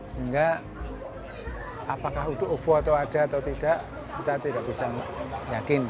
sehingga apakah uuvo ada atau tidak kita tidak bisa yakin